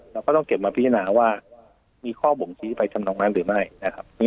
แล้วต้องเก็บมาพิจารณาว่ามีข้อบมทิศไปชำนองอยู่ไหม